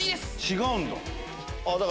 違うんだ。